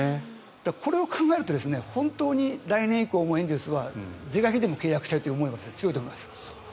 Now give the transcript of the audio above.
これを考えると本当に来年以降もエンゼルスは是が非でも契約したい思いはあると思います。